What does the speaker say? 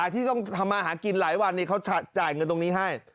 ที่ต้องทำมาหากินหลายวันเขาจ่ายเงินตรงนี้ให้